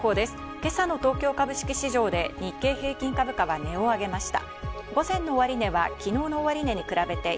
今朝の東京株式市場で日経平均株価は値を上げました。